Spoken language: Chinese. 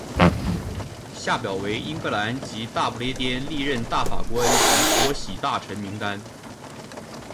下表为英格兰及大不列颠历任大法官及国玺大臣名单。